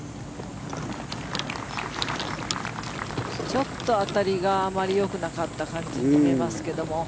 ちょっと当たりがあまりよくなかったように見えますが。